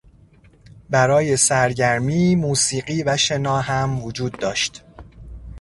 برای سرگرمی موسیقی و شنا هم وجود داشت.